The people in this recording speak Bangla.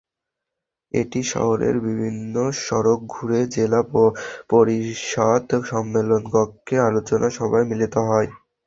এটি শহরের বিভিন্ন সড়ক ঘুরে জেলা পরিষদ সম্মেলনকক্ষে আলোচনা সভায় মিলিত হয়।